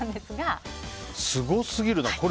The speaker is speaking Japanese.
すごすぎるな。